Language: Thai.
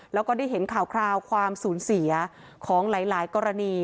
แล้วก็ได้เห็นข่าวคราวความสูญเสียของหลายกรณี